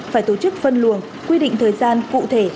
phải tổ chức phân luồng quy định thời gian cụ thể